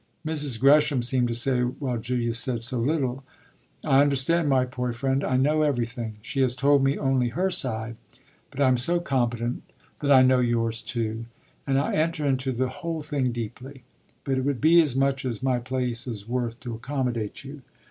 Mrs. Gresham seemed to say, while Julia said so little, "I understand, my poor friend, I know everything she has told me only her side, but I'm so competent that I know yours too and I enter into the whole thing deeply. But it would be as much as my place is worth to accommodate you."